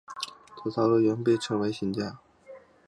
此套路原被称为新架。